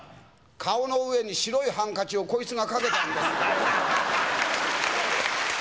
顔の上に白いハンカチをこいつがかけていました。